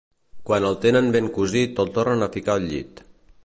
Quan el tenen ben cosit el tornen a ficar al llit.